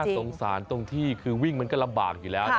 สงสารตรงที่คือวิ่งมันก็ลำบากอยู่แล้ว